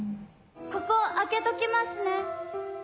ここ開けときますね。